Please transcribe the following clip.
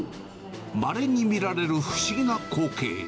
まれに見られる不思議な光景。